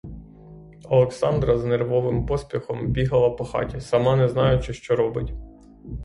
Олександра з нервовим поспіхом бігала по хаті, сама не знаючи, що робить.